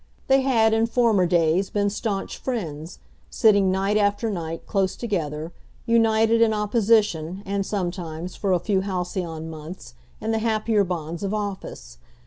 They had in former days been staunch friends, sitting night after night close together, united in opposition, and sometimes, for a few halcyon months, in the happier bonds of office.